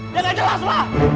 ya gak jelas lah